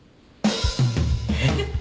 えっ？